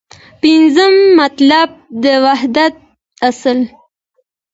پنځم مطلب : د وحدت اصل